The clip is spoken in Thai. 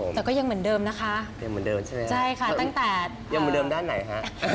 แต่ก็ยังเหมือนเดิมนะคะใช่ไหมครับตั้งแต่อย่างเหมือนเดิมด้านไหนฮะ